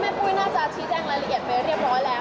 แม่ปุ้ยได้ลงดีเทลไว้เรียบร้อยแล้ว